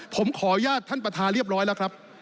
ผมขออนุญาตท่านประธานเรียบร้อยแล้วครับ